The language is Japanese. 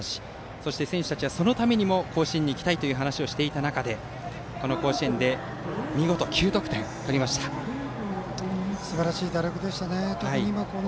そして選手たちはそのためにも甲子園に行きたいと話をしていた中でこの甲子園ですばらしい打力でしたね。